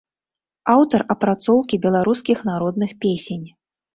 Аўтар апрацоўкі беларускіх народных песень.